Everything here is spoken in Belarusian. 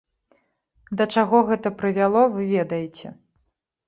Да чаго гэта прывяло, вы ведаеце.